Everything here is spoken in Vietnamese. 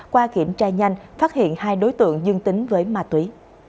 qua kiểm tra nhanh phát hiện hai đối tượng dương tính với ma túy